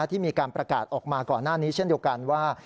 ที่มีการประกาศออกมาก่อนหน้านี้เช่นเดียวกันว่า